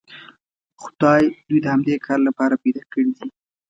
خدای دوی د همدې کار لپاره پیدا کړي دي.